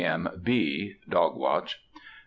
M. B (dog watch.) 3.